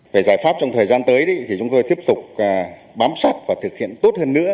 về giải pháp trong thời gian tới thì chúng tôi tiếp tục bám sát và thực hiện tốt hơn nữa